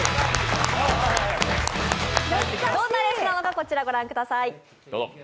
どんなレースなのかこちらご覧ください。